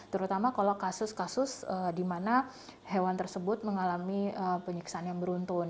terutama kalau kasus kasus di mana hewan tersebut mengalami penyiksaan yang beruntun